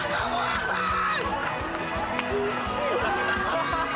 ハハハハ！